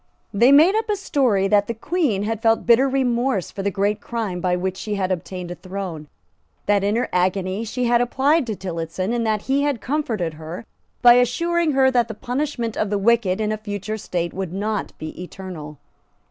They made up a story that the Queen had felt bitter remorse for the great crime by which she had obtained a throne, that in her agony she had applied to Tillotson, and that he had comforted her by assuring her that the punishment of the wicked in a future state would not be eternal.